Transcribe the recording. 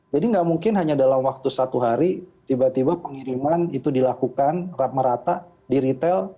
jadi nggak mungkin hanya dalam waktu satu hari tiba tiba pengiriman itu dilakukan merata di retail